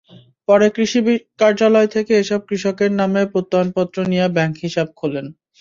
পরে কৃষি কার্যালয় থেকে এসব কৃষকের নামে প্রত্যয়নপত্র নিয়ে ব্যাংক হিসাব খোলেন।